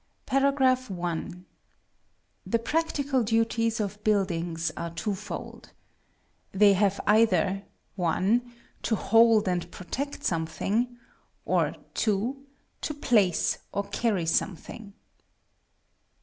§ I. The practical duties of buildings are twofold. They have either (1), to hold and protect something; or (2), to place or carry something.